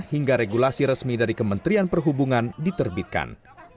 hingga regulasi resmi dari kementerian perhubungan diterbitkan